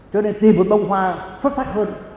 cho nên tìm một bông hoa xuất sắc hơn